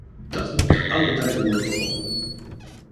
Dat moet te allen tijde worden voorkomen.